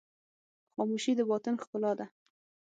خاموشي، د باطن ښکلا ده.